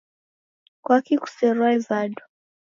Kwaki' kuserwae vadu?